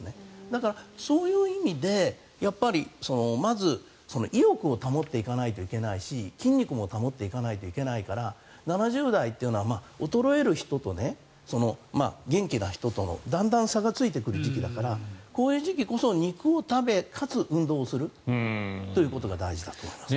だから、そういう意味でまず意欲を保っていかないといけないし筋肉も保っていかないといけないから７０代というのは衰える人と元気な人とのだんだん差がついてくる時期だからこういう時期こそ肉を食べかつ運動することが大事だと思います。